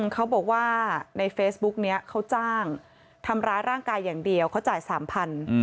เขาบอกว่าในเฟซบุ๊กนี้เขาจ้างทำร้ายร่างกายอย่างเดียวเขาจ่าย๓๐๐บาท